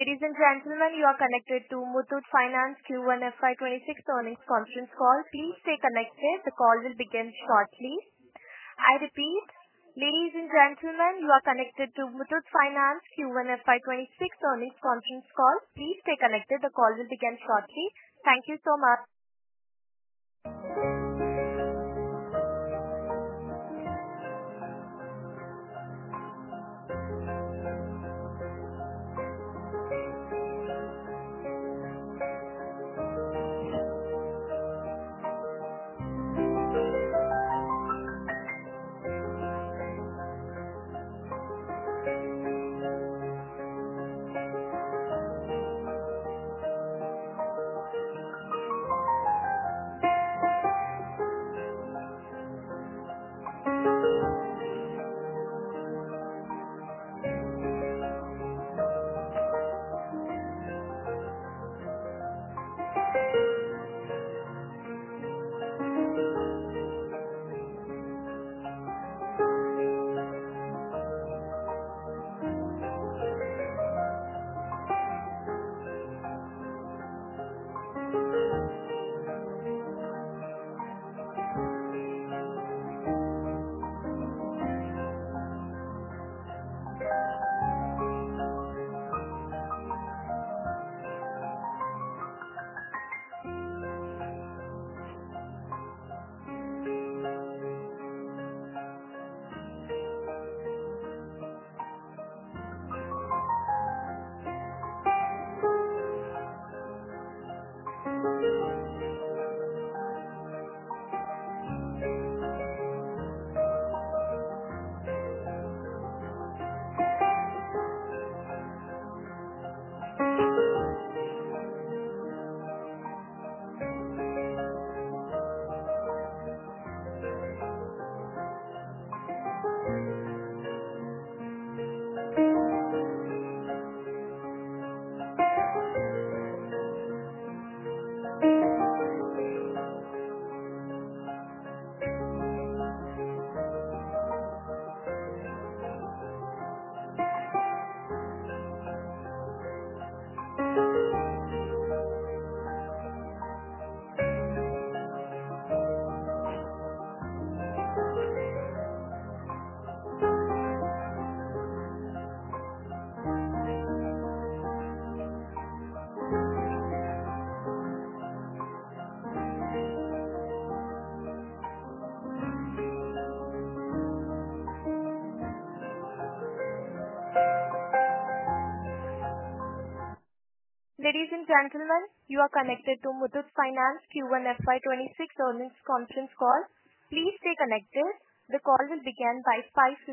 Ladies and gentlemen, you are connected to Muthoot Finance's Q1 FY 2026 earnings conference call. Please stay connected. The call will begin shortly. I repeat, ladies and gentlemen, you are connected to Muthoot Finance's Q1 FY 2026 earnings conference call. Please stay connected. The call will begin shortly. Thank you so much. Ladies and gentlemen, you are connected to Muthoot Finance's Q1 FY 2026 earnings conference call. Please stay connected. The call will begin by 5:15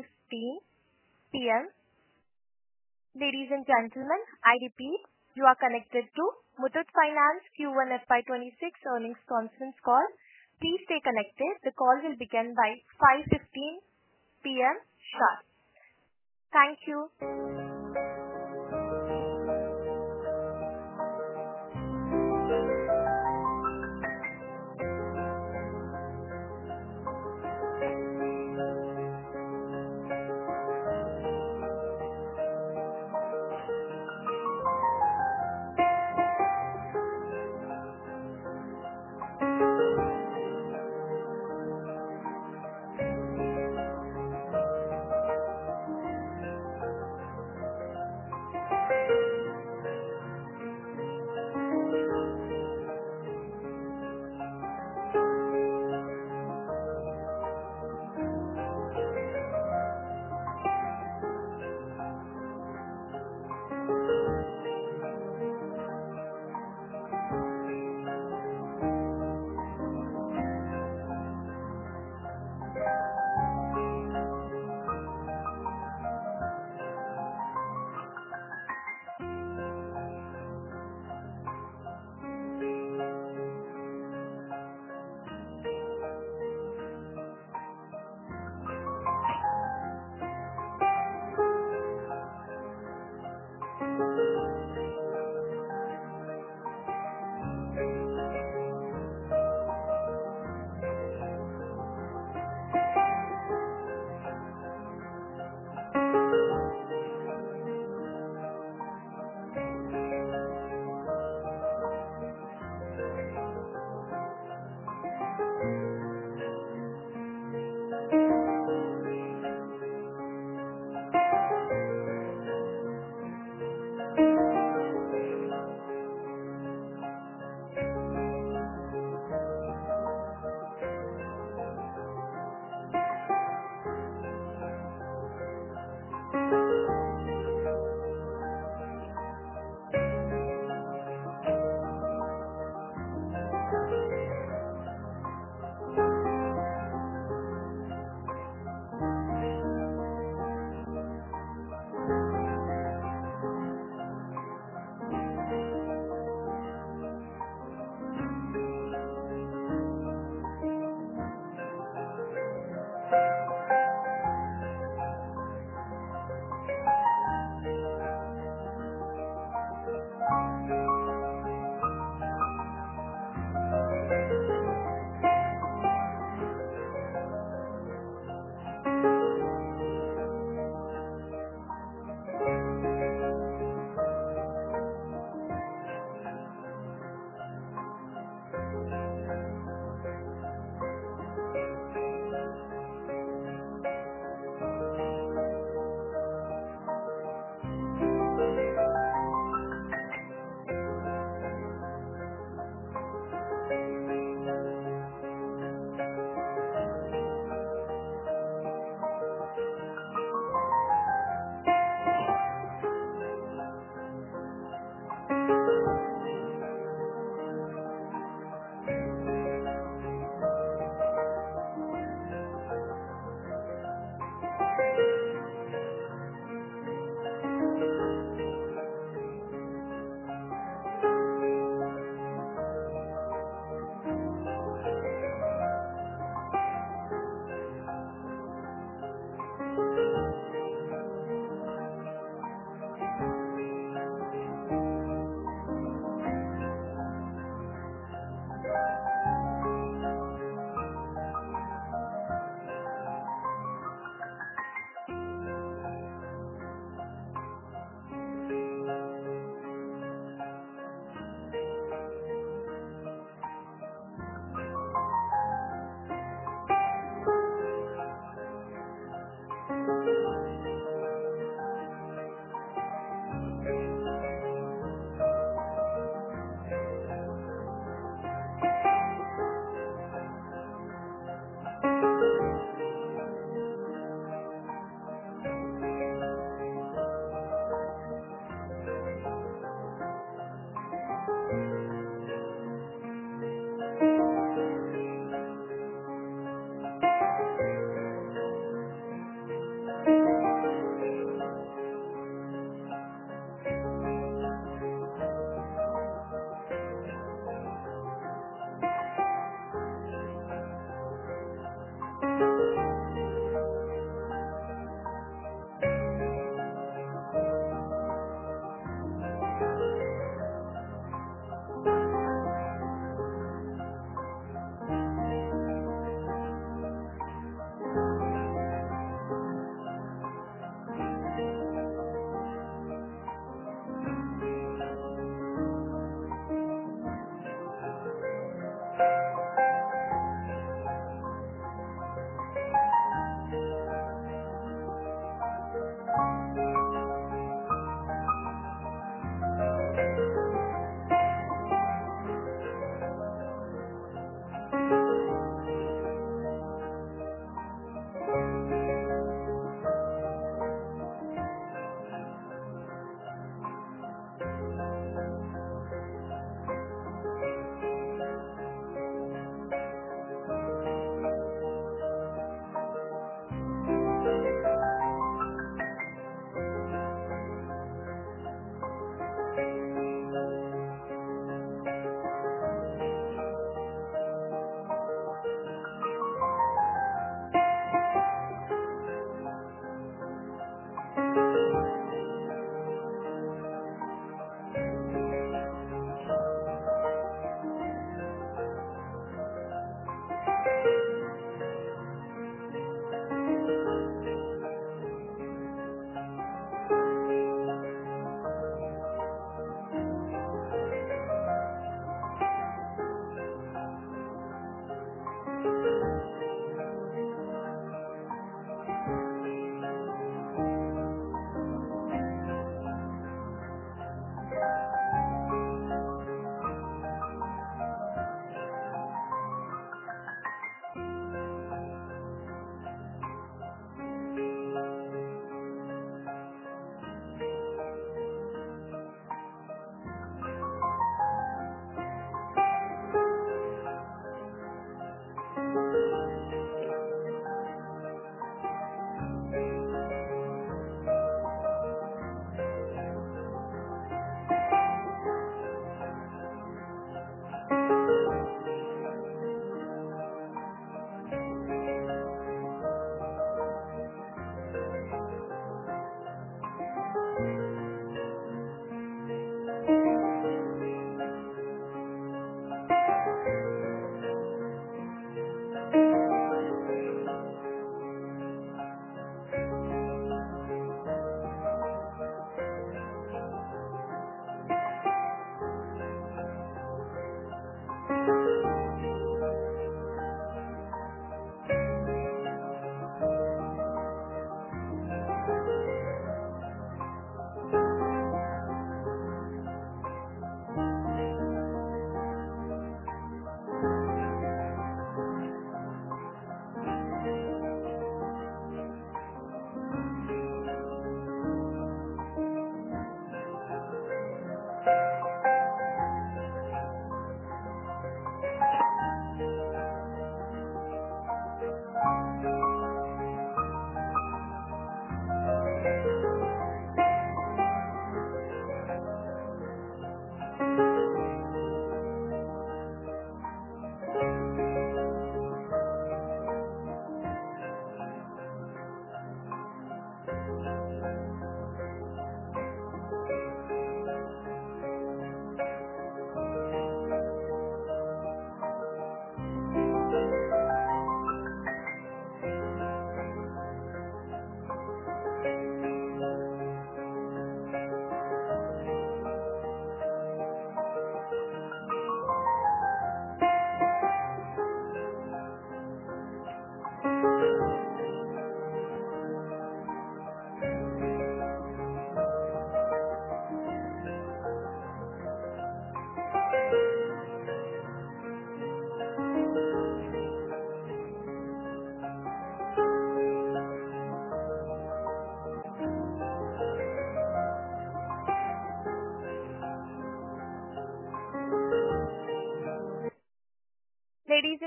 P.M. Ladies and gentlemen, I repeat, you are connected to Muthoot Finance's Q1 FY 2026 earnings conference call. Please stay connected. The call will begin by 5:15 P.M. sharp. Thank you.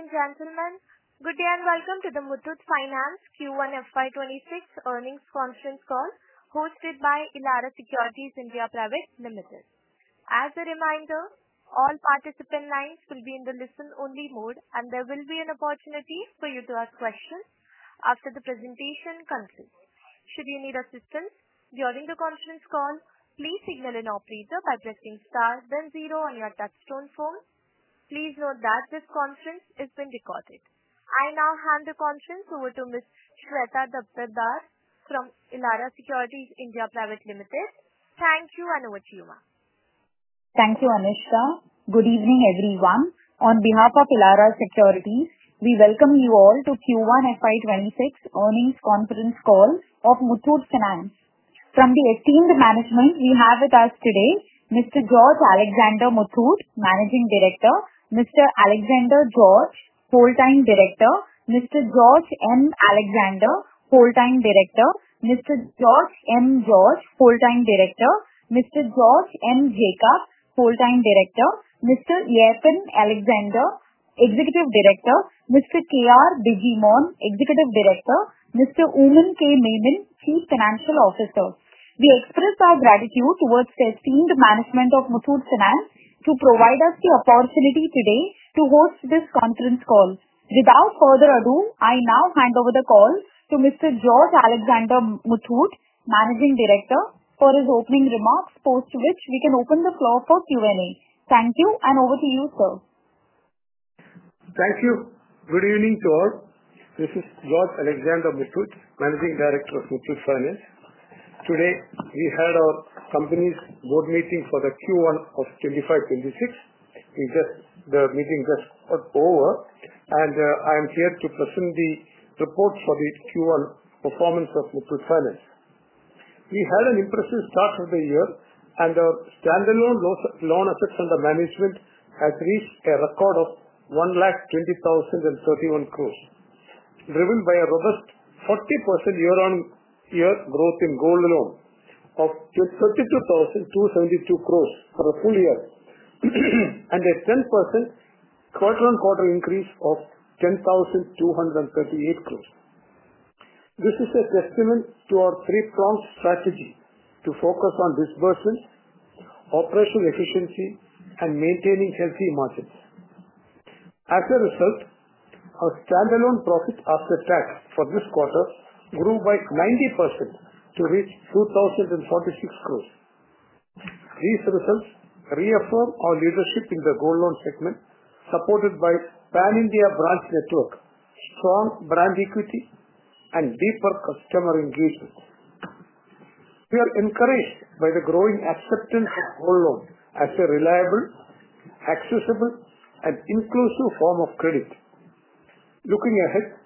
Ladies and gentlemen, good day and welcome to the Muthoot Finance Q1 FY 2026 earnings conference call hosted by Elara Securities India Private Limited. As a reminder, all participant lines will be in the listen-only mode, and there will be an opportunity for you to ask questions after the presentation concludes. Should you need assistance during the conference call, please signal an operator by pressing star, then zero on your touch-tone phone. Please note that this conference is being recorded. I now hand the conference over to Ms. Shweta Dhupredar from Elara Securities India Private Limited. Thank you, and over to you. Thank you, Amishta. Good evening, everyone. On behalf of Elara Securities, we welcome you all to Q1 FY 2026 earnings conference call of Muthoot Finance. From the esteemed management, we have with us today Mr. George Alexander Muthoot, Managing Director, Mr. Alexander George, Whole-Time Director, Mr. George M. Alexander, Whole-Time Director, Mr. George M. George, Whole-Time Director, Mr. George M. Jacob, Whole-Time Director, Mr. Eapen Alexander, Executive Director, Mr. K.R. Bijimon, Executive Director, and Mr. Oommen Mammen, Chief Financial Officer. We express our gratitude towards the esteemed management of Muthoot Finance to provide us the opportunity today to host this conference call. Without further ado, I now hand over the call to Mr. George Alexander Muthoot, Managing Director, for his opening remarks, post which we can open the floor for Q&A. Thank you, and over to you, sir. Thank you. Good evening, sir. This is George Alexander Muthoot, Managing Director of Muthoot Finance. Today, we had our company's board meeting for the Q1 of 2025. The meeting just got over, and I am here to present the report for the Q1 performance of Muthoot Finance. We had an impressive start of the year, and the standalone loan effects on the management had reached a record of 1,20,031 lakh crore, driven by a robust 40% year-on-year growth in gold loan of 32,272 crore for a full year, and a 10% quarter-on-quarter increase of 10,238 crore. This is a testament to our three-pronged strategy to focus on dispersion, operating efficiency, and maintaining healthy margins. As a result, our standalone profit after tax for this quarter grew by 90% to reach 2,046 crore. These results reaffirm our leadership in the gold loan segment, supported by the Pan-India branch network, strong brand equity, and deeper customer engagement. We are encouraged by the growing acceptance of gold loan as a reliable, accessible, and inclusive form of credit. Looking ahead,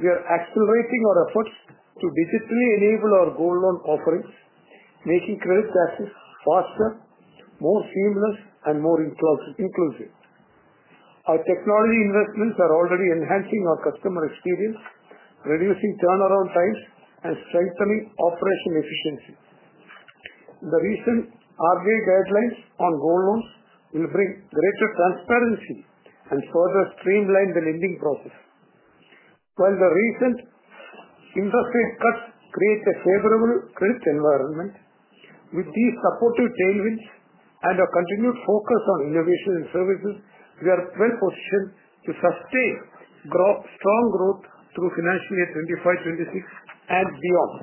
we are accelerating our efforts to digitally enable our gold loan offerings, making credit access faster, more seamless, and more inclusive. Our technology investments are already enhancing our customer experience, reducing turnaround times, and strengthening operation efficiencies. The recent RBI guidelines on gold loans will bring greater transparency and further streamline the lending process. While the recent interest rate cuts create a favorable credit environment, with these supportive tailwinds and a continued focus on innovation and services, we are well-positioned to sustain strong growth through financial year 2025 and beyond.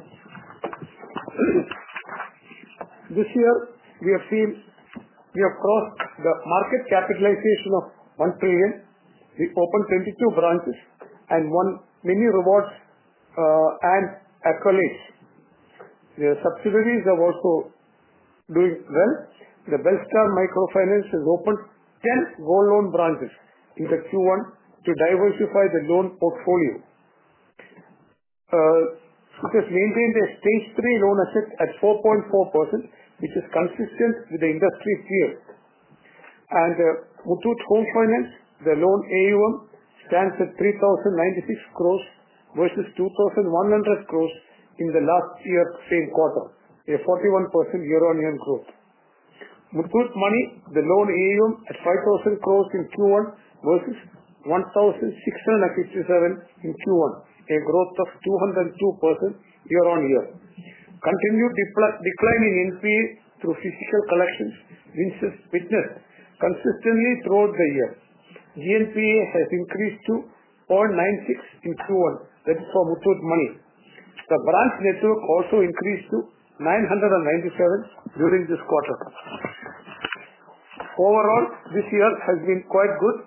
This year, we have seen we have crossed the market capitalization of one trillion. We opened 22 branches and won many rewards and accolades. Subsidiaries are also doing well. The Belstar Microfinance has opened 10 gold loan branches in the Q1 to diversify the loan portfolio. It has maintained a stage three loan effect at 4.4%, which is consistent with the industry's yield. And Muthoot Homefin, the loan AUM stands at 3,096 crore rupees versus 2,100 crore rupees in the last year's same quarter, a 41% year-on-year growth. Muthoot Money, the loan AUM is INR 5,000 crore in Q1 versus 1,657 in Q1, a growth of 202% year-on-year. Continued declining NPA through physical collections recently witnessed consistently throughout the year. GNPA has increased to 0.96% in Q1. That is for Muthoot Money. The branch network also increased to 997 during this quarter. Overall, this year has been quite good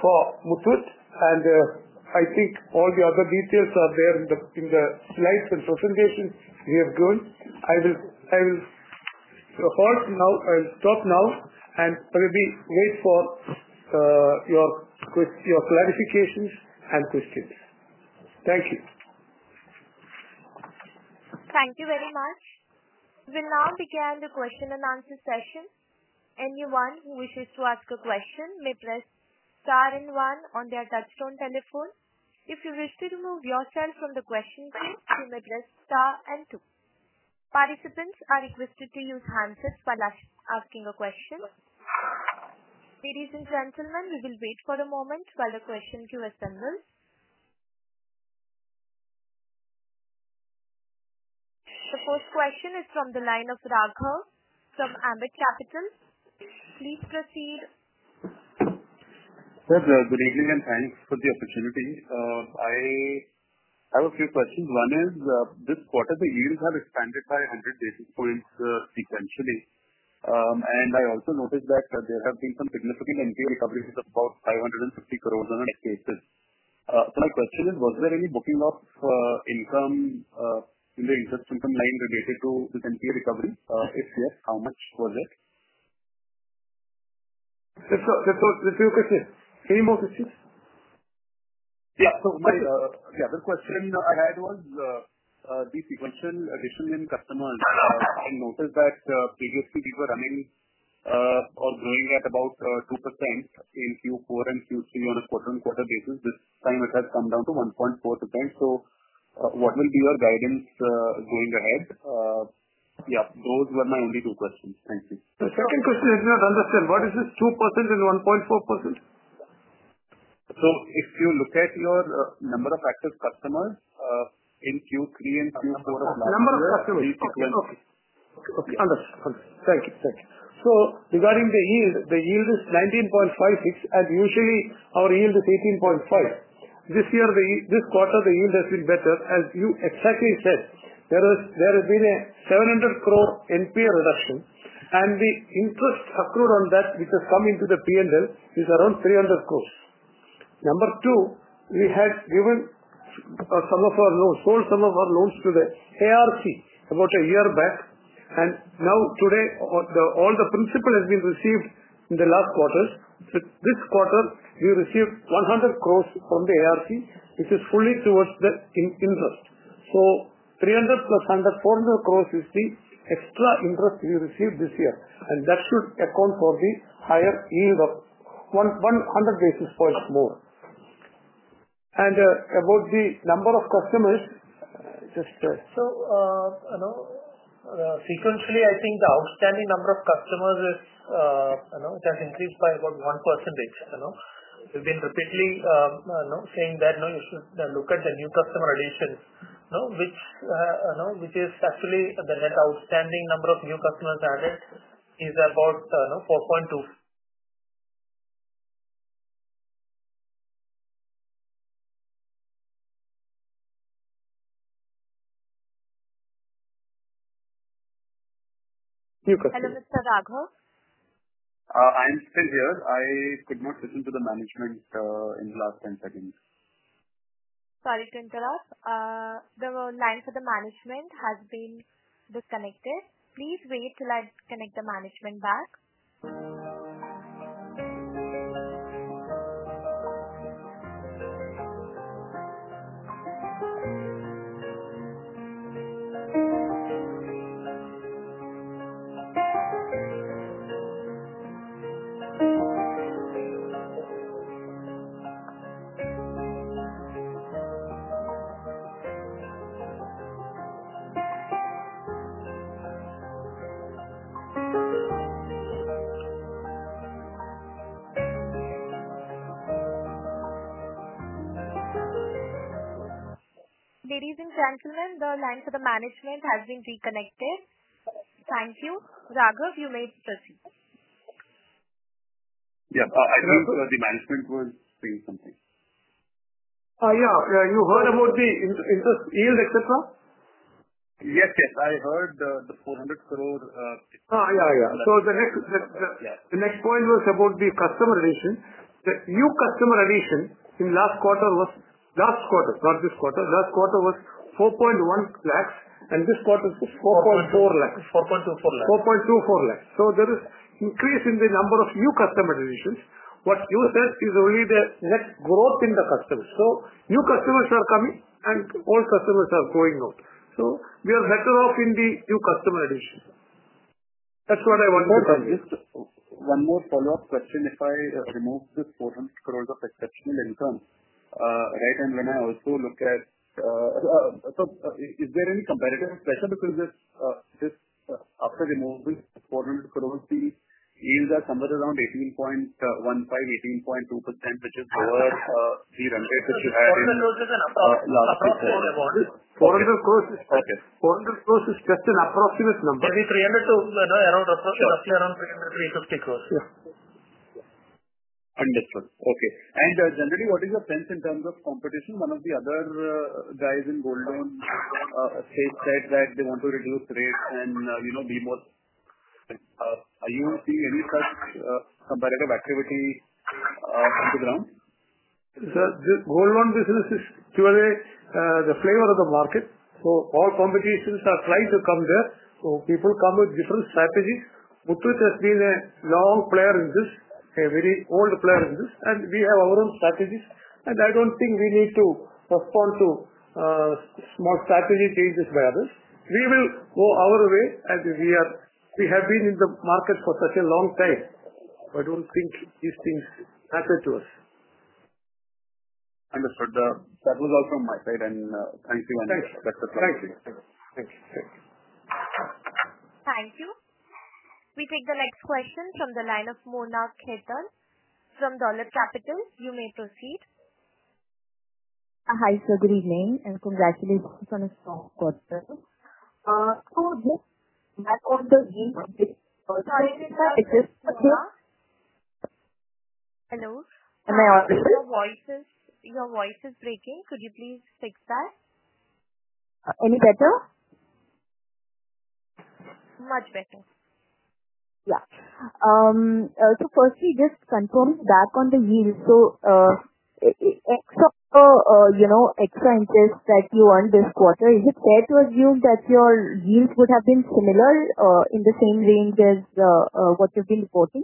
for Muthoot, and I think all the other details are there in the slides and presentations we have given. I will stop now, and maybe wait for your clarifications and questions. Thank you. Thank you very much. We'll now begin the question-and-answer session. Anyone who wishes to ask a question may press star and one on their touch-tone telephone. If you wish to remove yourself from the question phase, you may press star and two. Participants are requested to use handsets while asking a question. Ladies and gentlemen, we will wait for a moment while the question queue assembles. The first question is from the line of Raghav from Ambit Capital. Please proceed. Sir, good evening and thanks for the opportunity. I have a few questions. One is, this quarter, the yields have expanded by 100 basis points sequentially. I also noticed that there have been some significant NPA recoveries of about 550 crore that have escaped. My question is, was there any booking of income in the interest income line related to the NPA recovery? If yes, how much was it? That's all. That's all. That's all the question. Any more questions? Yeah, the other question I had was the sequence in additional customers. I noticed that previously these were growing at about 2% in Q4 and Q3 on a quarter-on-quarter basis. This time, it has come down to 1.4%. What will be your guidance going ahead? Yeah, those were my only two questions. Thank you. The second question is, Mr. Alexander, what is this 2% and 1.4%? If you look at your number of active customers in Q3 and Q4 of last year. Number of customers. Yes. Okay. Okay. Understood. Understood. Thank you. Thank you. Regarding the yield, the yield was 19.56%, and usually, our yield is 18.5%. This year, this quarter, the yield has been better. As you exactly said, there has been a 700 crore NPA reduction, and the interest accrued on that, which has come into the P&L, is around 300 crore. Number two, we have given some of our loans, sold some of our loans to the ARC about a year back, and now today, all the principal has been received in the last quarters. This quarter, we received 100 crore from the ARC, which is fully towards the interest. 300 crore plus 100 crore, 400 crore is the extra interest we received this year, and that should account for the higher yield of 100 basis points more. About the number of customers, it's just. Sequentially, I think the outstanding number of customers has increased by about 1%. We've been repeating saying that you should look at the new customer relations, which is actually the net outstanding number of new customers added, is about 4.2%. You. Hello, Mr. Raghav? I'm still here. I could not listen to the management in the last 10 seconds. Sorry to interrupt. The line for the management has been disconnected. Please wait till I connect the management back. Ladies and gentlemen, the line for the management has been reconnected. Thank you. Raghav, you may proceed. Yeah, I heard the management was saying something. Yeah, you heard about the interest yield, etc.? Yes, yes. I heard the 400 crore. The next point was about the customer relations. The new customer relations in the last quarter was 4.1 lakh, and this quarter is 4.4 lakh. 4.24 lakh. 4.24 lakh. There is an increase in the number of new customer relations. What you said is really the net growth in the customers. New customers are coming and old customers are going out. We are better off in the new customer relations. That's what I wanted to tell you. One more follow-up question. If I remove the 400 crore of exceptional income, right, is there any comparative pressure because after removing 400 crore, the yield is somewhere around 18.15%-18.2%, which is lower than the run rate that you had. INR 400 crore. Okay. INR 400 crore is just an approximate number. Maybe INR 300 to around roughly INR 350 crore. Understood. Okay. Generally, what is your sense in terms of competition? One of the other guys in gold loan space said that they want to reduce rates and, you know, be more. Are you seeing any such competitive activity on the ground? The gold loan business is purely the play of the market. All competitors are trying to come there. People come with different strategies. Muthoot Finance has been a long player in this, a very old player in this, and we have our own strategies. I don't think we need to respond to small strategy changes by others. We will go our way as we are. We have been in the market for such a long time. I don't think these things happen to us. Understood. That was all from my side, thank you and best of luck. Thank you. Thank you. We take the next question from the line of Mona Khetan from Dolat Capital. You may proceed. Hi, sir. Good evening. Congratulations on a strong quarter. How do you message the yield? Sorry, is there a system? Hello? Am I audible? Your voice is breaking. Could you please fix that? Any better? Much better. Yeah, just confirm back on the yield. Extra interest that you earned this quarter, is it fair to assume that your yields would have been similar, in the same range as what you've been reporting?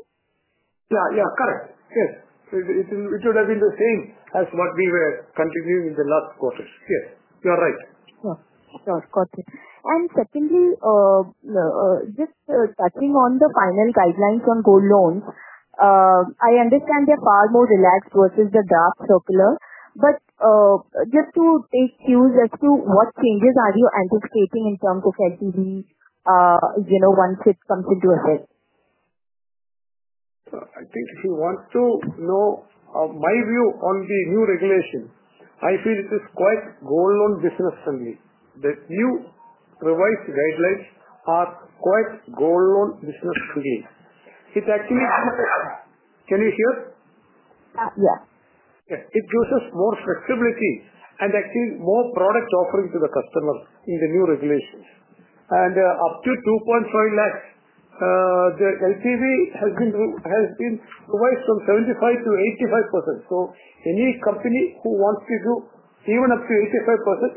Yeah, correct. Yes, it would have been the same as what we were contributing in the last quarter. Yes, you're right. Yeah, got it. Secondly, just touching on the final guidelines on gold loans, I understand they're far more relaxed versus the draft circular. Just to take cues as to what changes are you anticipating in terms of LTV, you know, once it comes into effect? I think she wants to know my view on the new regulation. I feel it is quite gold loan business-friendly. The new revised guidelines are quite gold loan business-friendly. Can you hear? Yeah. Yeah. It gives more flexibility and actually more product offering to the customers in the new regulations. Up to 2.5 lakh, the LTV has been revised from 75%-85%. Any company who wants to do even up to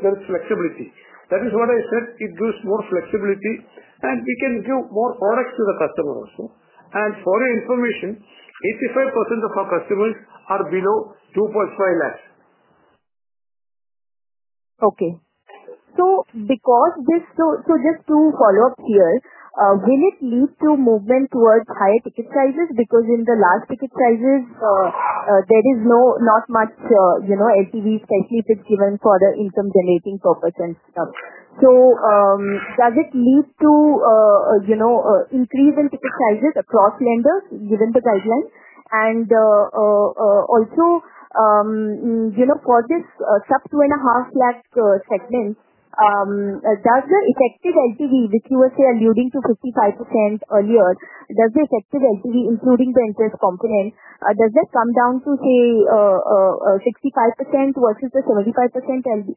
85%, there is flexibility. That is what I said. It gives more flexibility, and we can give more products to the customer also. For your information, 85% of our customers are below 2.5 lakh. Okay. Just two follow-ups here. Will it lead to movement towards higher ticket sizes? Because in the last ticket sizes, there is not much, you know, LTV, especially if it's given for the income-generating purpose and stuff. Does it lead to, you know, an increase in ticket sizes across lenders given the guidelines? Also, for this sub 2.5 lakh segment, does the effective LTV, which you were alluding to as 55% earlier, does the effective LTV, including the interest component, come down to, say, 65% versus the 75%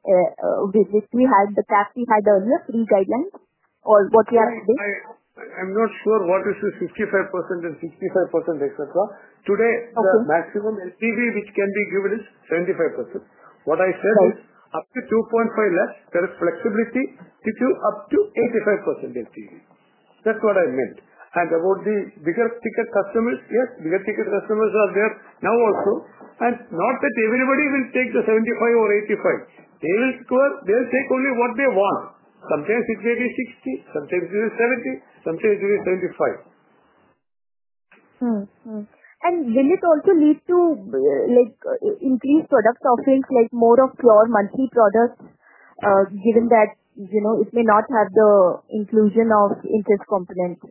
business we had, the cash we had earlier, three guidelines or what we are? I'm not sure what is the 65% and 65%, etc. Today, the maximum LTV which can be given is 75%. What I said, up to 2.5 lakh, there is flexibility to up to 85% LTV. That's what I meant. About the bigger ticket customers, yes, bigger ticket customers are there now also. Not that everybody will take the 75%--85%. They will take only what they want. Sometimes it will be 60%, sometimes it will be 70%, sometimes it will be 75%. Will it also lead to increased product offerings, like more of your monthly products, given that, you know, it may not have the inclusion of interest component?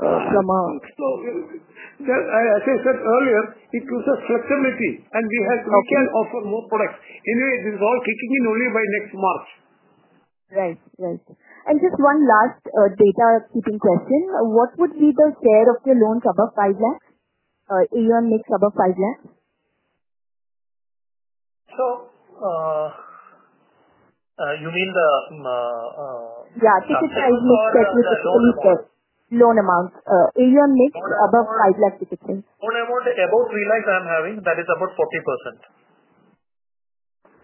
As I said earlier, it uses flexibility, and we have to offer more products. Anyway, this is all fixed only by next March. Right. Right. Just one last data-skipping question. What would be the share of your loans above 5 lakh? AUM mix above INR 5 lakh? You mean the, Yeah, ticket sizes set with the same loan amounts. AUM mix above 5 lakh rupees ticket sizes. Loan amount about 3 lakh I'm having, that is about 40%.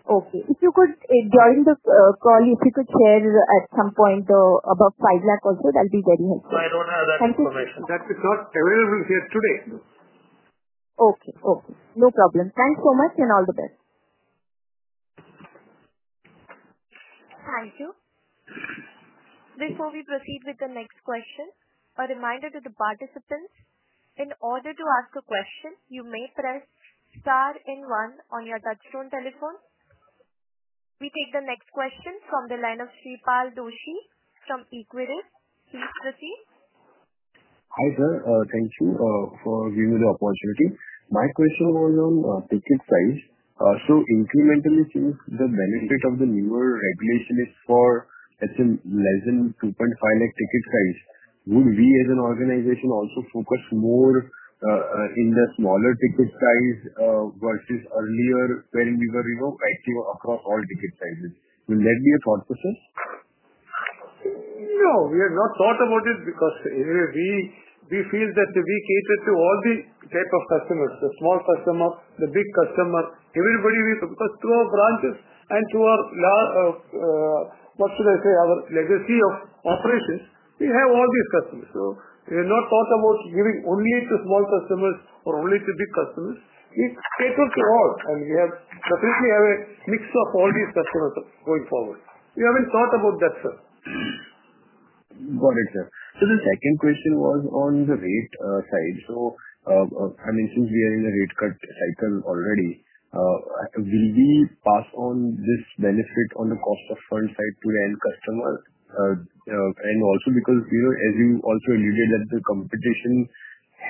Okay. If you could join the call, if you could share at some point above 5 lakh also, that would be very helpful. I don't have that information. That is not available here today. Okay. No problem. Thanks so much and all the best. Thank you. Before we proceed with the next question, a reminder to the participants, in order to ask a question, you may press star and one on your touch-tone telephone. We take the next question from the line of Shreepal Doshi from Equirus. Please proceed. Hi, sir. Thank you for giving me the opportunity. My question was on ticket size. Incrementally, since the benefit of the newer regulation is for, let's say, less than 2.5 lakh ticket size, would we, as an organization, also focus more in the smaller ticket size, versus earlier when we were able to achieve across all ticket sizes? Would that be a process? No, we have not thought about it because we feel that we cater to all the type of customers, the small customer, the big customer, everybody with us through our branches and our legacy of operations. We have all these customers. We have not thought about giving only to small customers or only to big customers. It's catered to all, and we definitely have a mix of all these customers going forward. We haven't thought about that, sir. Got it, sir. The second question was on the rate side. I mentioned we are in a rate cut cycle already. Will we pass on this benefit on the cost of funds side to the end customer? Also, because you also alluded that the competition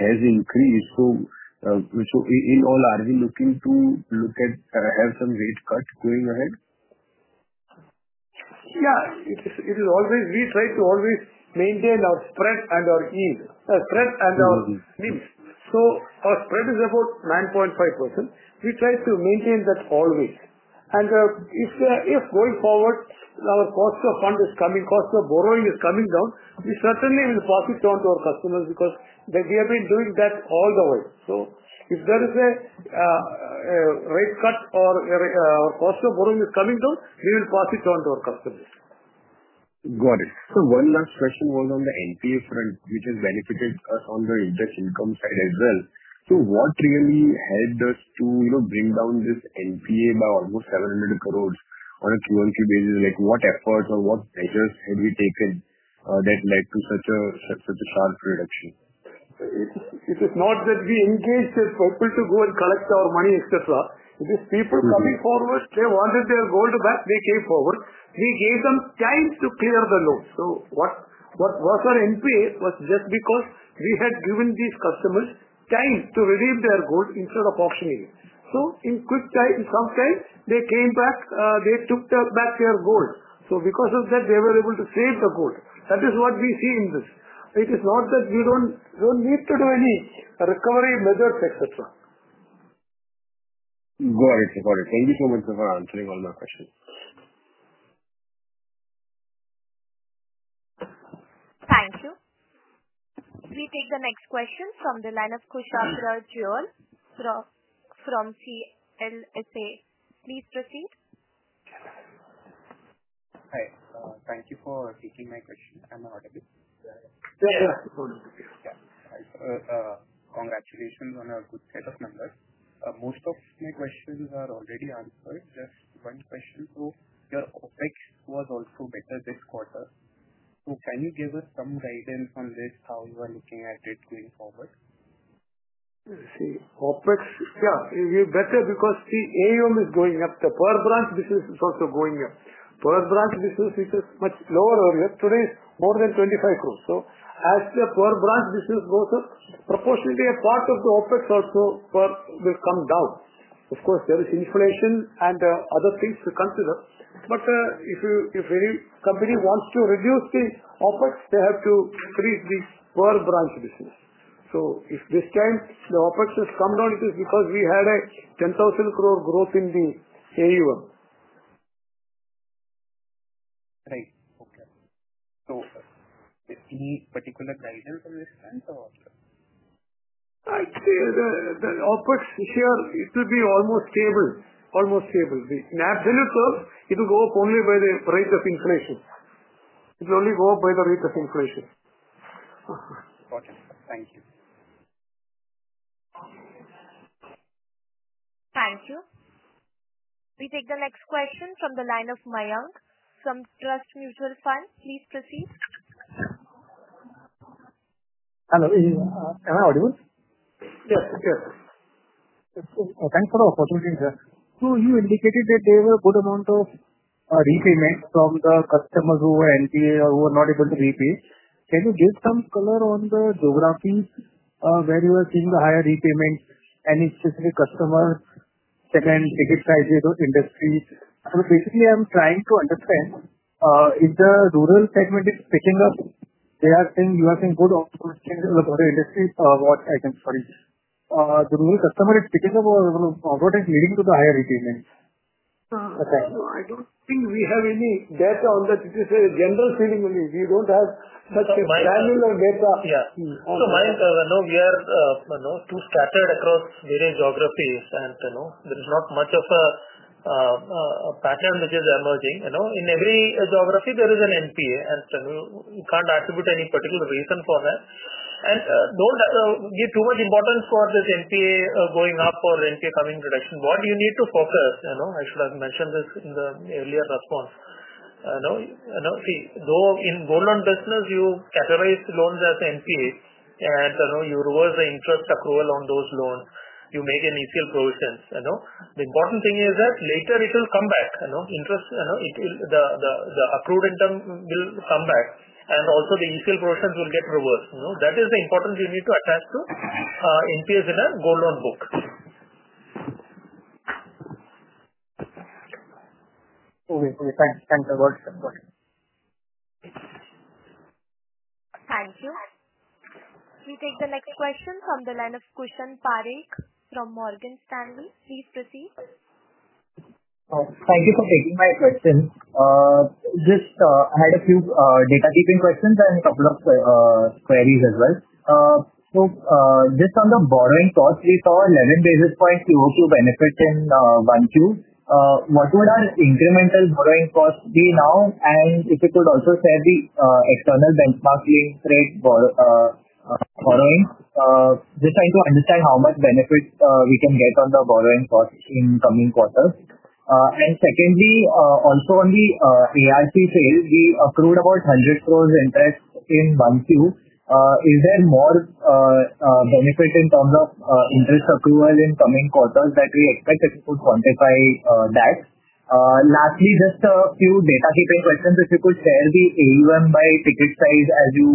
has increased, in all, are we looking to have some rate cuts going ahead? Yeah, we try to always maintain our spread and our yield. Our spread is about 9.5%. We try to maintain that always. If, going forward, our cost of funds is coming, cost of borrowing is coming down, we certainly will pass it on to our customers because we have been doing that all the way. If there is a rate cut or our cost of borrowing is coming down, we will pass it on to our customers. Got it. One last question was on the NPA front, which has benefited on the interest income side as well. What really helped us to bring down this NPA by almost 700 crore on a QoQ basis? What effort or what measures have we taken that led to such a sharp reduction? It was not that we engaged with corporate to go and collect our money, etc. It is people coming forward. They wanted their gold back. They came forward. We gave them times to clear the loans. What was our NPA was just because we had given these customers times to redeem their gold instead of optioning. In quick time, some time, they came back. They took back their gold. Because of that, they were able to save the gold. That is what we see in this. It is not that we don't need to do any recovery movements, etc. Got it. Got it. Thank you so much for answering all my questions. Thank you. We take the next question from the line of Kushagra Goel from CLSA. Please proceed. Hi. Thank you for taking my question. Sure, sure. Yeah. Congratulations on a good set of numbers. Most of my questions are already answered. Just one question. Your OpEx was also better this quarter. Can you give us some guidance on this? How you are looking at it going forward? Let's see. OpEx, yeah, it will be better because the AUM is going up. The per branch business is also going up. Per branch business, which is much lower earlier, today more than 25 crore. As the per branch business goes up, proportionately a part of the OpEx also will come down. Of course, there is inflation and other things to consider. If any company wants to reduce the OpEx, they have to increase the per branch business. If this time the OpEx has come down, it is because we had a 10,000 crore growth in the AUM. Right. Okay. Any particular guidance on this front? I'd say the OpEx here is almost stable. The absolute, it will go up only by the rate of inflation. It will only go up by the rate of inflation. Thank you. We take the next question from the line of Mayank from Trust Mutual Fund. Please proceed. Hello. Am I audible? Yes, yes. Thanks for the opportunity, sir. You indicated that there were a good amount of repayments from the customers who were NPA or who were not able to repay. Can you give some color on the geography, where you were seeing the higher repayments? Any specific customer, second ticket sizes, or industry? Basically, I'm trying to understand if the rural segment is picking up. They are saying you are saying good or good changes about the industry. What I can say? The rural customer is picking up or what is leading to the higher repayments? I don't think we have any data on that. This is a general feeling, we don't have much granular data. Yeah. On the mind, we are too scattered across various geographies, and you know there is not much of a pattern which is emerging. You know in every geography, there is an NPA, and you can't attribute any particular reason for that. Don't give too much importance for this NPA going up or NPA coming in reduction. What you need to focus, you know I should have mentioned this in the earlier response. You know, see, though in gold loan business, you categorize the loans as NPA, and you know you reverse the interest accrual on those loans. You make an ECL provisions. The important thing is that later it will come back. You know, interest, you know, the accrued income will come back, and also the ECL provisions will get reversed. That is the importance you need to attach to NPAs in a gold loan book. Okay. Thanks. Thanks a lot. We take the next question from the line of Kushan Parikh from Morgan Stanley. Please proceed. Thank you for taking my question. I had a few data-keeping questions and a couple of queries as well. Just on the borrowing cost, we saw 11 basis points benefit in Q1. What would our incremental borrowing cost be now? If it would also set the external benchmarking rate borrowing, just trying to understand how much benefit we can get on the borrowing cost in the coming quarters. Secondly, also on the ARC sales, we accrued about 100 crore interest in Q1. Is there more benefit in terms of interest accrual in the coming quarters that we expect, could you quantify that? Lastly, just a few data-keeping questions. If you could share the AUM by ticket size as you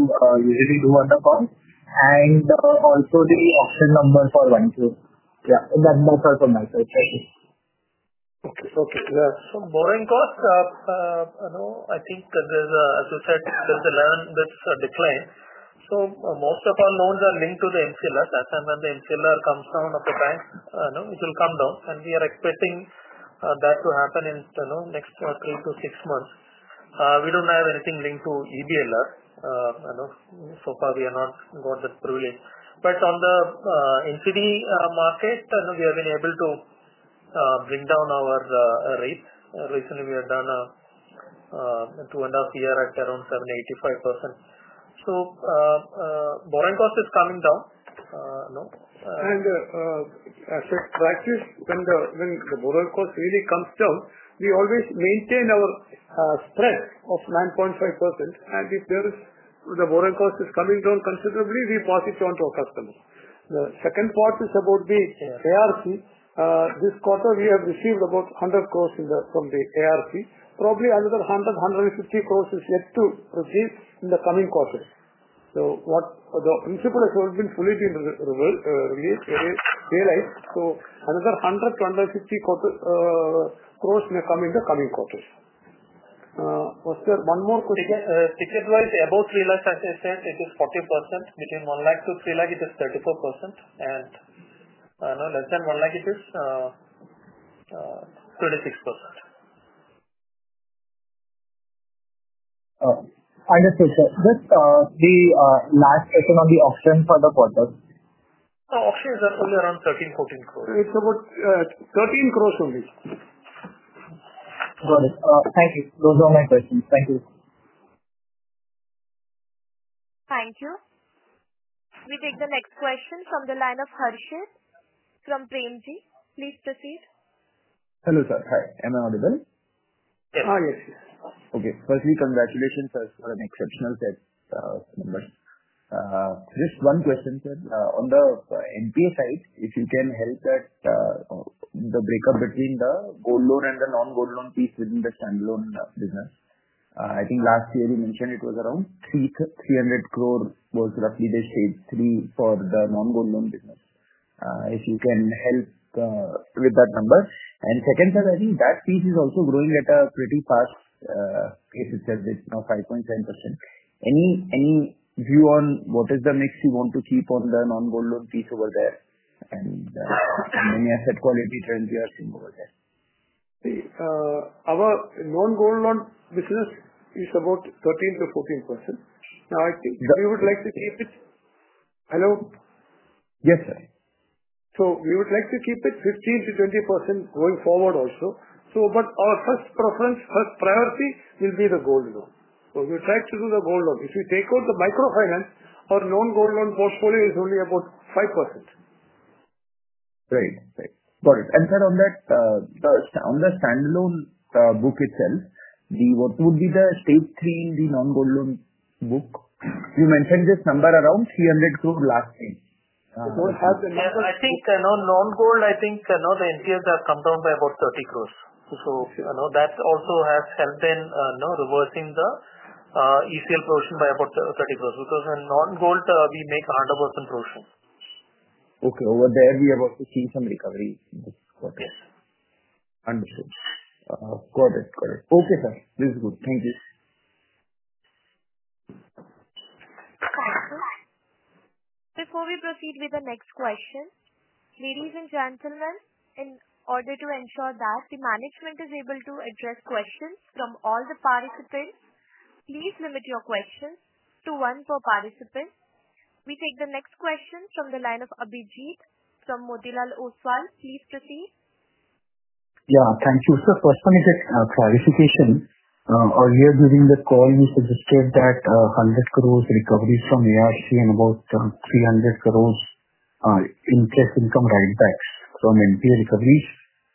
usually do on the call, and also the option number for Q1. Yeah, that's all from my side. Okay. Yeah. So borrowing cost, I think there's, as you said, there's 11 that's declined. Most of our loans are linked to the MCLR. That's when the MCLR comes down of the bank, it will come down. We are expecting that to happen in the next three to six months. We don't have anything linked to EBLR. You know, so far, we have not got that privilege. On the NCD market, we have been able to bring down our rate. Recently, we have done a two and a half year at around 7.85%. So borrowing cost is coming down. No. Asset prices, when the borrowing cost really comes down, we always maintain our spread of 9.5%. If the borrowing cost is coming down considerably, we pass it on to our customer. The second part is about the ARC. This quarter, we have received about 100 crore from the ARC. Probably another 100 crore-150 crore is yet to receive in the coming quarters. The initial price would have been fully realized; another 100 crore-150 crore may come in the coming quarters. Was there one more quick ticket-wise about realized? As I said, it is 40%. Between INR 1 lakh-INR 3 lakh, it is 34%. Less than 1 lakh, it is 26%. Understood, sir. Just the last item on the option for the quarter. Options are only around 13 crore-14 crore. It's about 13 crore only. Got it. Thank you. Those are my questions. Thank you. Thank you. We take the next question from the line of Harshit from Premji. Please proceed. Hello, sir. Hi. Am I audible? Yes. Oh yes, yes. Okay. Firstly, congratulations first for an exceptional statement. Just one question on the NPA side, if you can help with the breakup between the gold loan and the non-gold loan piece within the standard loan business. I think last year we mentioned it was around 300 crore was roughly the shade for the non-gold loan business. If you can help with that number. Second, sir, I think that piece is also growing at a pretty fast pace. It says it's now 5.7%. Any view on what is the mix you want to keep on the non-gold loan piece over there, and the many asset quality trends we are seeing over there. Our non-gold loan business is about 13%-14%. I think we would like to keep it. Hello? Yes, sir. We would like to keep it 15%-20% going forward also. Our first preference, first priority will be the gold loan. We decide to do the gold loan. If we take out the microfinance, our non-gold loan portfolio is only about 5%. Right. Got it. Sir, on the standalone book itself, what would be the stage three in the non-gold loan book? You mentioned this number around 300 crore last year. I think non-gold, I think the NPAs have come down by about 30 crore. That also has helped in reversing the ECL provision by about 30 crore because in non-gold, we make 100% provisions. Okay. Over there, we are about to see some recovery quarters. Understood. Got it. Got it. Okay, sir. This is good. Thank you. Before we proceed with the next question, ladies and gentlemen, in order to ensure that the management is able to address questions from all the participants, please limit your questions to one per participant. We take the next question from the line of Abhijit from Motilal Oswal. Please proceed. Thank you. Sir, first, let me get clarification. Earlier during this call, you suggested that 100 crore recoveries from ARC and about 300 crore interest income write-backs from NPA recoveries.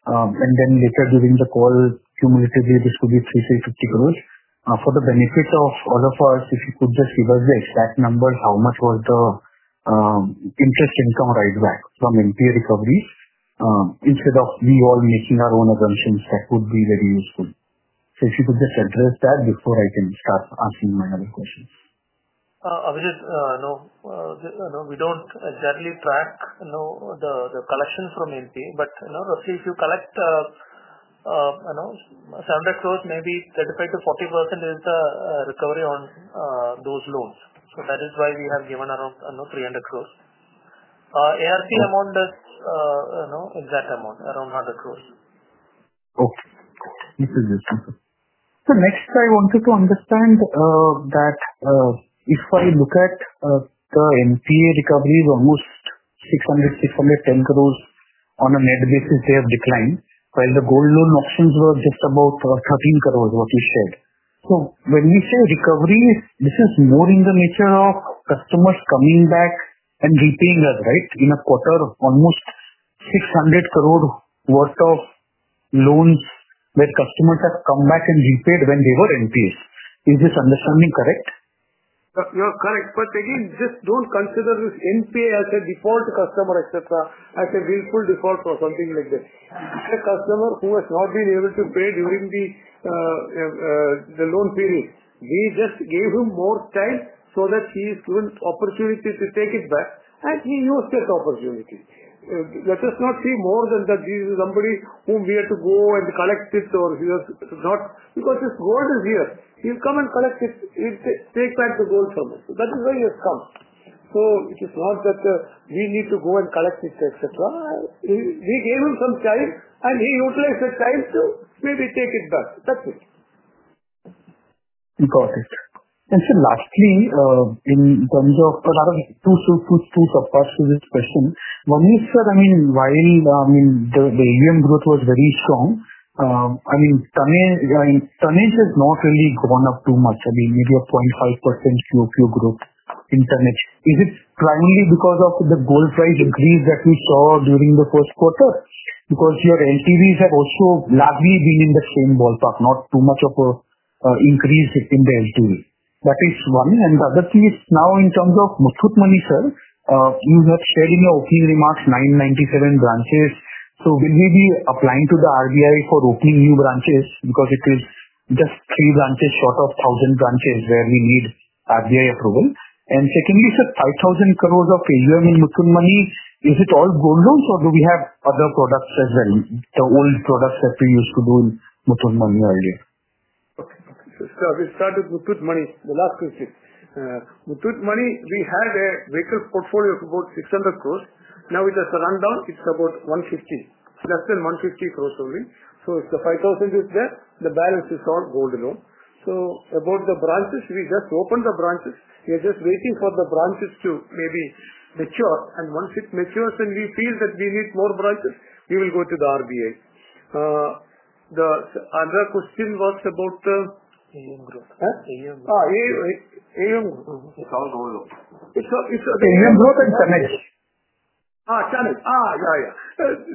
Later during the call, cumulatively distributed 350 crore. For the benefit of all of us, if you could just give us the exact number, how much was the interest income write-back from NPA recoveries? Instead of me all making our own assumptions, that would be very useful. If you could just address that before I can start asking my other questions. Obviously, we don't exactly track the collections from NPA, but you know, roughly, if you collect 700 crore, maybe 35%-40% is the recovery on those loans. That is why we have given around 300 crore. ARC amount is an exact amount, around 100 crore. Okay. Thank you, sir. Next, I wanted to understand that if I look at the NPA recoveries, almost 600 crore-610 crore on a net basis, they have declined. While the gold loan auctions were just about 13 crore, what you said. When you say recoveries, this is more in the nature of customers coming back and repaying us, right? In a quarter, almost 600 crore worth of loans where customers have come back and repaid when they were NPAs. Is this understanding correct? Yeah, you're correct. Just don't consider this NPA as a default customer, etc., as a willful default or something like that. The customer who has not been able to pay during the loan period, we just gave him more time so that he is given the opportunity to take it back, and he used that opportunity. Let us not see more than that he's somebody whom we had to go and collect it or he was not because his word is here. He'll come and collect it. He'll take back the gold from us. That is why he has come. It is not that he needs to go and collect it, etc. We gave him some time, and he utilized the time to maybe take it back. That's it. Got it. Sir, lastly, in terms of the other two, first to this question, when you said, while the AUM growth was very strong, tonnage has not really gone up too much, maybe a 0.5% QoQ growth in tonnage. Is it primarily because of the gold price increase that we saw during the first quarter? Because your NPAs have also largely been in the same ballpark, not too much of an increase in the LTV. That is one. The other thing is now in terms of Muthoot Money, sir, you have shared in your opening remarks 997 branches. Will you be applying to the RBI for opening new branches because it is just three branches out of 1,000 branches where we need RBI approval? Secondly, sir, 5,000 crore of portfolio in Muthoot Money, is it all gold loans or do we have other products as well, the old products that we used to do in Muthoot Money earlier? We started Muthoot Money, the last two sheets. Muthoot Money, we had a record portfolio of about 600 crore. Now, it has run down. It's about 150 crore. It's less than 150 crore only. If the 5,000 crore is there, the balance is all gold loan. About the branches, we just opened the branches. We are just waiting for the branches to maybe mature. Once it matures and we feel that we need more branches, we will go to the RBI. The other question was about the. AUM growth. AUM growth. AUM. It's all gold. It's the AUM growth and tonnage. tonnage. Yeah, yeah.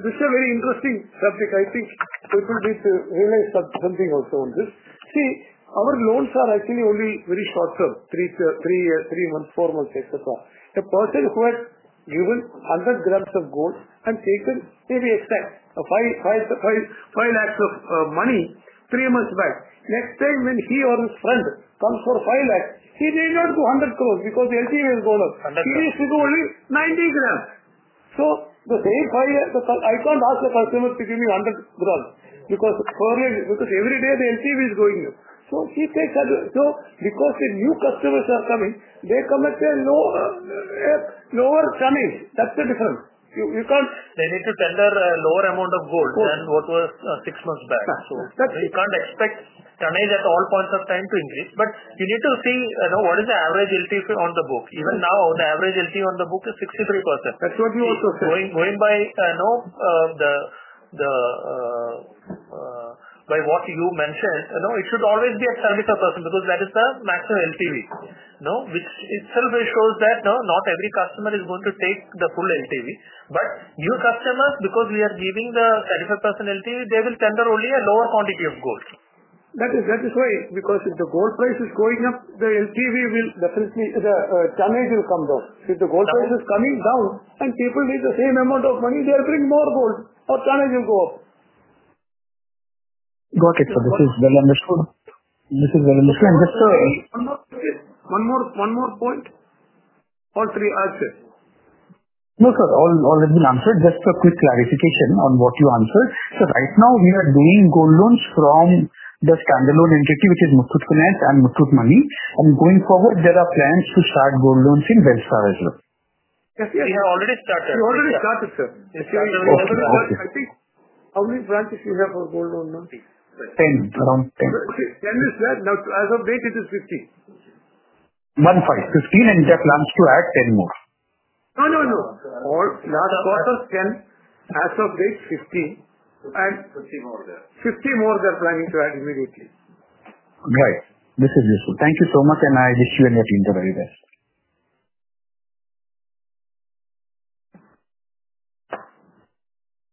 This is a very interesting subject. I think frequently we will have something also on this. See, our loans are actually only very short-term, three months, four months, etc. A person who has given 100 grams of gold and taken 80% of 5 lakh of money three months back, next time when he or his friend comes for 5 lakh, he may not go 100 grams because the LTV has gone up. He used to go only 90 grams. The same five, I can't ask the customer to give me 100 grams because every day the LTV is going up. Because the new customers are coming, they come at a lower tonnage. That's the difference. You can't. They need to tender a lower amount of gold than what was six months back. You can't expect tonnage at all points of time to increase, but you need to see what is the average LTV on the book. Even now, the average LTV on the book is 63%. That's what you also said. Going by what you mentioned, it should always be a 75% because that is the maximum LTV. No, which itself shows that not every customer is going to take the full LTV. New customers, because we are giving the 75% LTV, will tender only a lower quantity of gold. That is why, because if the gold price is going up, the LTV will definitely, the tonnage will come down. If the gold price is coming down and people need the same amount of money, they are getting more gold. Our tonnage will go up. Got it. This is very understood. One more point. All three answers. No, sir. All has been answered. Just a quick clarification on what you answered. Right now, we are doing gold loans from the standalone entity, which is Muthoot Finance and Muthoot Money. Going forward, there are plans to start gold loans in Belstar Microfinance as well. Yes, yes. We have already started. We already started, sir. Yes, you have. How many branches do you have for gold loan now? Around 10. 10 is where? Now, as of date, it is 15. 1, 5, 15, and you have plans to add 10 more? No, no. Last quarter's 10, as of date, 50. 50 more there. 50 more they're planning to add immediately. Right. This is useful. Thank you so much, and I wish you and your team the very best.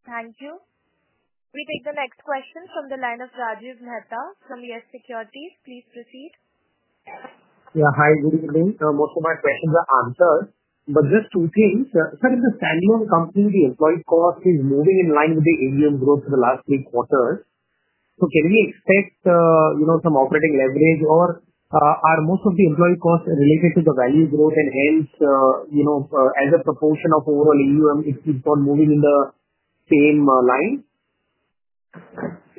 Thank you. We take the next question from the line of Rajiv Mehta from YES Securities. Please proceed. Yeah. Hi. Good evening. Most of my questions are answered, just two things. If the standalone company's employee cost is moving in line with the AUM growth for the last three quarters, can we expect some operating leverage, or are most of the employee costs related to the value growth and hence, as a proportion of overall AUM, it keeps on moving in the same line?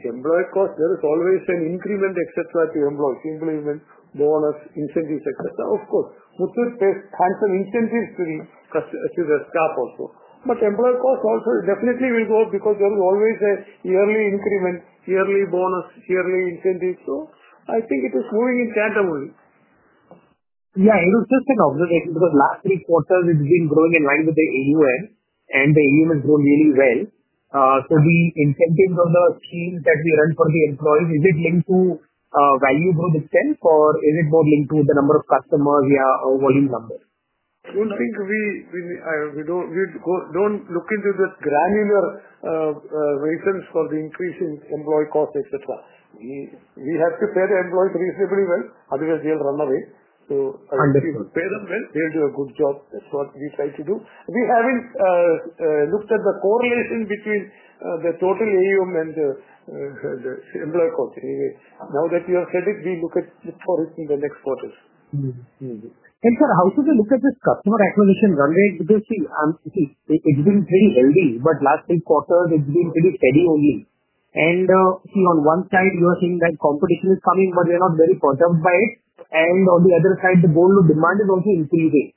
Employee cost, there is always an increment, etc., to employee bonus, incentives, etc. Of course, Muthoot Finance has some incentives to the staff also. Employee cost also definitely will go up because there is always a yearly increment, yearly bonus, yearly incentives. I think it is moving in tandem only. Yeah, it was just an observation because last three quarters, it's been growing in line with the AUM, and the AUM has grown really well. The incentives of the scheme that we run for the employees, is it linked to value growth itself, or is it more linked to the number of customers or volume numbers? I don't think we look into the granular reasons for the increase in employee costs, etc. We have to pay the employees reasonably well, otherwise they'll run away. If you pay them well, they'll do a good job. That's what we try to do. We haven't looked at the correlation between the total AUM and the employee cost. Now that you have said it, we look at the forest in the next quarters. Sir, how do you look at this customer acquisition run rate? You see, it's been very heavy, but last three quarters, it's been very steady only. On one side, you are saying that competition is coming, but we're not very pushed up by it. On the other side, the gold loan demand is also increasing.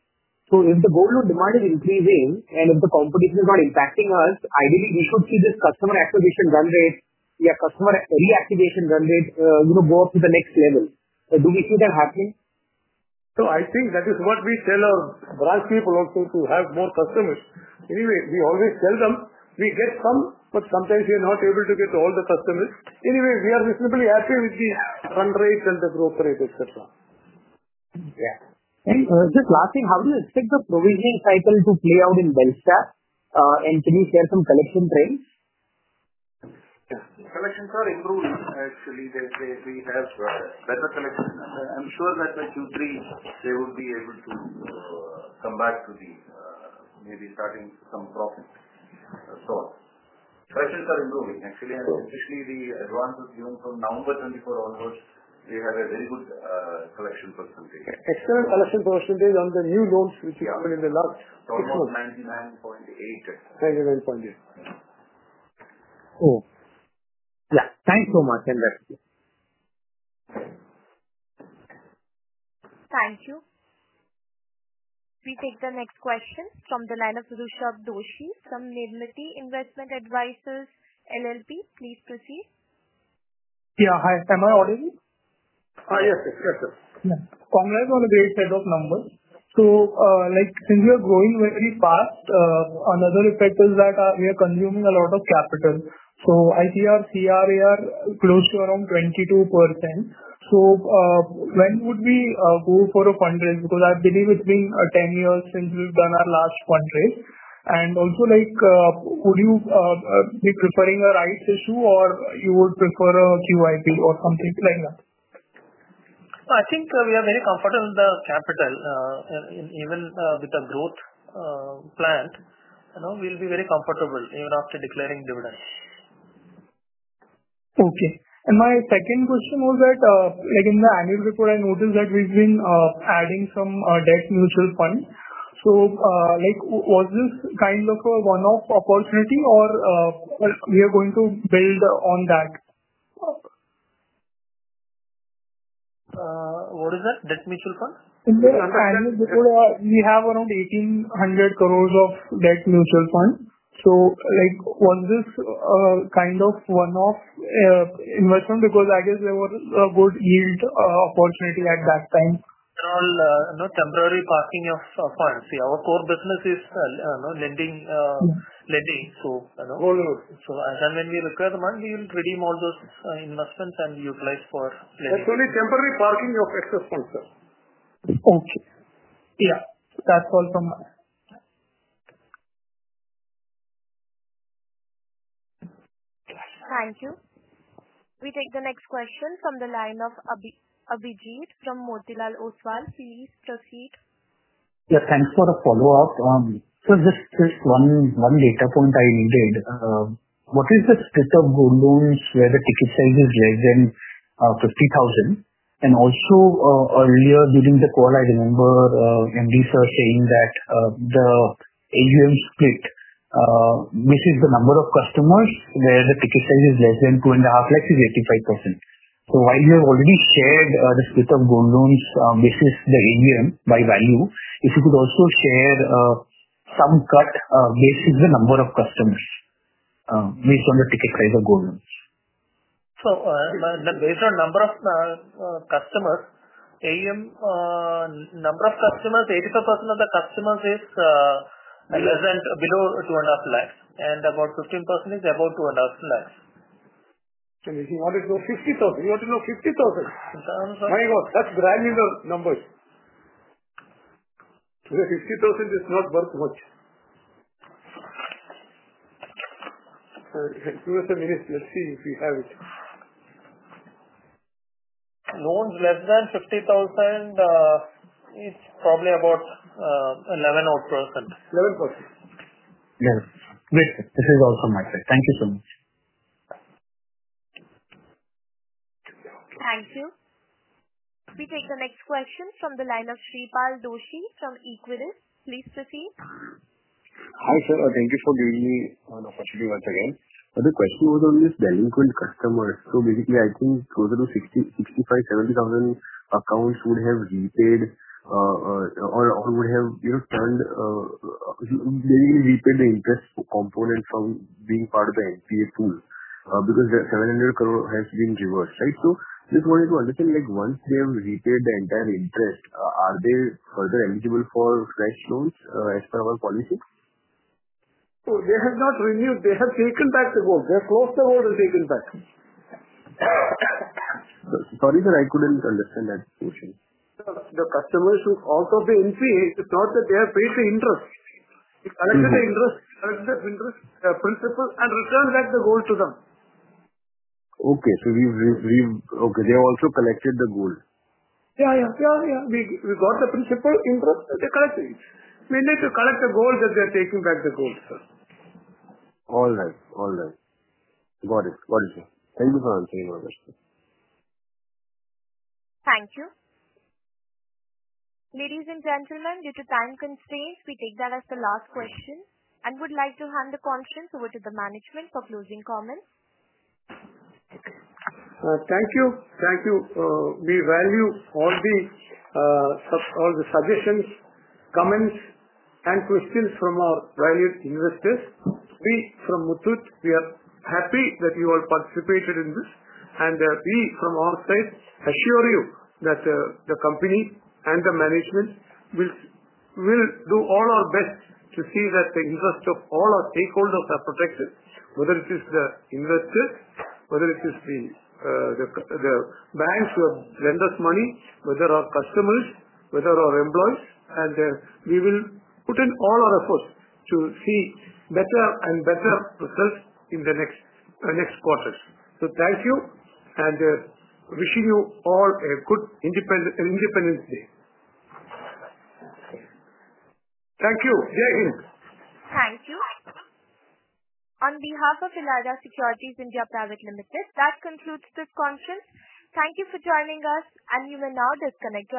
If the gold loan demand is increasing, and if the competition is not impacting us, ideally, we could see this customer acquisition run rate, yeah, customer reactivation run rate go up to the next level. Do we see that happening? I think that is what we tell our branch people also, to have more customers. Anyway, we always tell them we get some, but sometimes we are not able to get all the customers. Anyway, we are reasonably happy with the fund rates and the growth rate, etc. Yeah. Just last thing, how do you expect the provision cycle to play out in Belstar? Can you share some collection trends? Collections are improving, actually. They have better collections. I'm sure that Q3, they will be able to come back to these, maybe starting some profits and so on. Collections are improving. Actually, especially the advance of June from November 2024 onwards, you have a very good collection percentage. Excellent collection percentage on the new loans, which is coming in the last. Almost 99.8%. 99.8%. Oh, yes. Thanks so much. Thank you. We take the next question from the line of Rushabh Doshi from Nirmiti Investment Advisors LLP. Please proceed. Yeah. Hi. Am I audible? Yes, yes, yes. Coming up on a very set of numbers. Since we are growing very fast, another effect is that we are consuming a lot of capital. So ITR, CRAR are close to around 22%. When would we go for a fund raise? I believe it's been 10 years since we've done our last fund raise. Also, like, would you be preparing a rights issue or you would prefer a QIP or something like that? I think we are very comfortable with the capital, and even with the growth planned, you know, we'll be very comfortable even after declaring dividends. Okay. My second question was that, like in the annual report, I noticed that we've been adding some debt mutual funds. Was this kind of a one-off opportunity, or are we going to build on that? What is that, debt mutual fund? In the understanding before, we have around 1,800 crore of debt mutual fund. Was this kind of one-off investment because I guess there was a good yield opportunity at that time? General temporary parking of funds. See, our core business is, you know, lending. Owners. As and when we require the money, we'll redeem all those investments and utilize for. That's only temporary parking of excess funds. Thank you. We take the next question from the line of Abhijit from Motilal Oswal. Please proceed. Yeah. Thanks for the follow-up. Just one data point I needed. What is the split of gold loans where the ticket size is less than 50,000? Also, earlier during the quarter, I remember MD sir saying that the AUM split, which is the number of customers where the ticket size is less than 2.5 lakh, is 85%. While you have already shared the split of gold loans versus the AUM by value, if you could also share some cut based on the number of customers based on the ticket size of gold loans. Based on number of customers, AUM number of customers, 85% of the customers is like as in below 2.5 lakh, and about 15% is about 2.5 lakh. You want to know 50,000? You have to know 50,000. My God, that's granular numbers. INR 50,000 does not work much. Give us a minute. Let's see if we have it. Loans less than 50,000 is probably about 11-odd percent. 11%. Yes, this is all from my side. Thank you so much. Thank you. We take the next question from the line of Shreepal Doshi from Equirus. Please proceed. Hi, sir. Thank you for giving me an opportunity once again. The question was on these delinquent customers. Basically, I think 65,000-70,000 accounts would have repaid or would have, you know, turned; they repaid the interest component from being part of the NPA pool because 700 crore has been reversed, right? I just wanted to understand, once they have repaid the entire interest, are they further eligible for fresh loans as per our policy? They have not renewed. They have taken back the gold. They have closed the gold and taken back. Sorry, sir. I couldn't understand that question. The customers who also have the NPA, it's not that they have paid the interest. They collected the interest, collected the interest principal, and returned back the gold to them. Okay, they have also collected the gold. Yeah, yeah. We got the principal interest and they collected it. Maybe they should collect the gold that they're taking back, sir. All right. Got it, sir. Thank you for answering all this, sir. Thank you. Ladies and gentlemen, due to time constraints, we take that as the last question and would like to hand the questions over to the management for closing comments. Thank you. Thank you. We value all the suggestions, comments, and questions from our valued investors. We from Muthoot Finance are happy that you all participated in this. We from our side assure you that the company and the management will do all our best to see that the interest of all our stakeholders are protected, whether it is the investors, the banks who have lent us money, our customers, or our employees. We will put in all our efforts to see better and better results in the next quarter. Thank you and wishing you all a good Independence Day. Thank you. Thank you. Thank you. On behalf of Elara Securities India Private Limited, that concludes this conference. Thank you for joining us, and you may now disconnect.